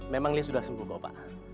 memang dia sudah sembuh kok pak